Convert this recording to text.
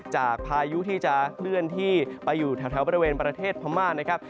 พายุที่จะเคลื่อนที่ไปอยู่แถวบริเวณประเทศพม่านะครับ